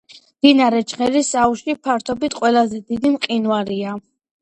მდინარე ჩხერის აუზში ფართობით ყველაზე დიდი მყინვარია.